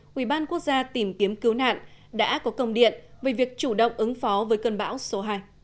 quỹ ban quốc gia tìm kiếm cứu nạn đã có công điện về việc chủ động ứng phó với cơn bão số hai